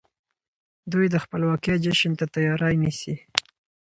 دوی د خپلواکۍ جشن ته تياری نيسي.